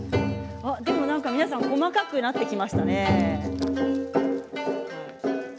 皆さん細かくなってきましたね。